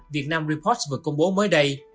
vietnam report vừa công bố mới đây